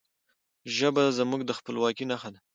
ژبه زموږ د خپلواکی نښه ده.